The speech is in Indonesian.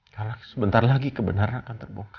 karena sebentar lagi kebenaran akan terbuka